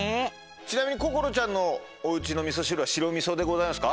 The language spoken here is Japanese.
ちなみにこころちゃんのおうちのみそしるはしろみそでございますか？